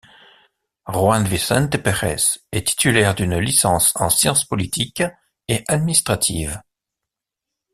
Juan Vicente Pérez est titulaire d'une licence en sciences politiques et administratives.